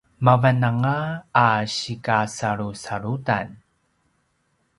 mavananga a sikasalusalutan